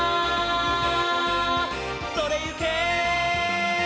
「それゆけ！」